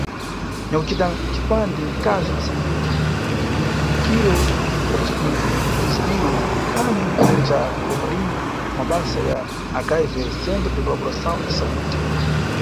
Nyakucita cipande nkazi wa kuMusambiki ni nyamuyimikiro wa cigunkhuliziro nkhani mugwere ca Bomalini mumabasa ya HIV, Centro de Colaboração e Saúde.